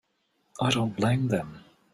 I don't blame them.